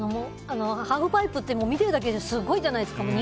ハーフパイプって見てるだけですごいじゃないですか。